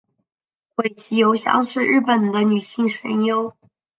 尾崎由香是日本的女性声优。